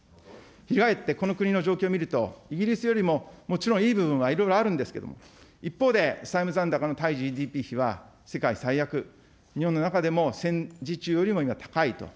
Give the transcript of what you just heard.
翻ってこの国の状況を見ると、イギリスよりももちろんいい部分はいろいろあるんですけれども、一方で債務残高の対ＧＤＰ費は世界最悪、日本の中でも戦時中よりも今、高いと。